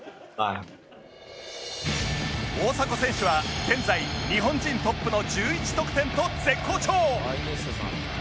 大迫選手は現在日本人トップの１１得点と絶好調！